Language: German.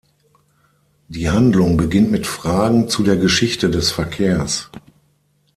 Die Handlung beginnt mit Fragen zu der Geschichte des Verkehrs.